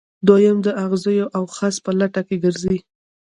دویم د اغزیو او خس په لټه کې ګرځي.